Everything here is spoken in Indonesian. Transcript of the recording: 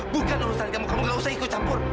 bukan urusan kamu kamu gak usah ikut campur